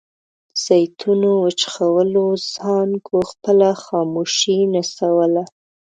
د زیتونو وچخولو څانګو خپله خاموشي نڅوله.